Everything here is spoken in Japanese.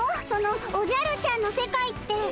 そのおじゃるちゃんの世界って。